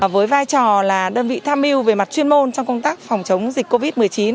với vai trò là đơn vị tham mưu về mặt chuyên môn trong công tác phòng chống dịch covid một mươi chín